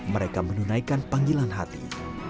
mereka menunaikan panggilan hati